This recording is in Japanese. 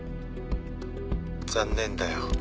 ☎残念だよ